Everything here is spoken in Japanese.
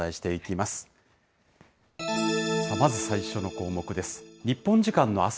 まず最初の項目です。